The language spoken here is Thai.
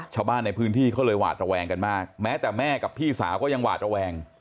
ชาวบ้านในพื้นที่เขาเลยหวาดระแวงกันมากแม้แต่แม่กับพี่สาวก็ยังหวาดระแวง